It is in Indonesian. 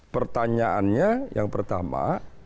pertanyaannya yang pertama